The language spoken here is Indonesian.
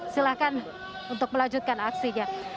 silahkan untuk melanjutkan aksinya